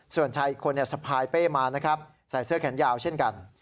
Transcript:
ส่วนชายอีกคนสะพายเป้มานะครับใส่เสื้อแขนยาวเช่นกัน